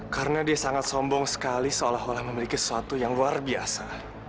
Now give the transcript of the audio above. karena dia sangat sombong sekali seolah olah memiliki sesuatu yang luar biasa